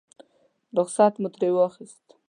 رخصت مو ترې واخیست.